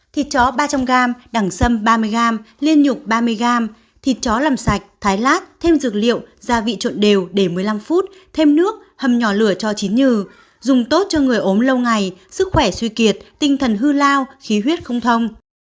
thịt chó ba trăm linh gram đẳng sâm ba mươi gram liên nhục ba mươi gram thịt chó làm sạch thái lát thêm dược liệu gia vị trộn đều để một mươi năm phút thêm nước hầm nhỏ lửa cho chín nhừ dùng tốt cho người ốm lâu ngày sức khỏe suy kiệt tinh thần hư lao khí huyết không thông